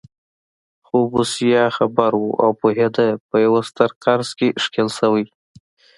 خو بوسیا خبر و او پوهېده په یوه ستر قرض کې ښکېل شوی.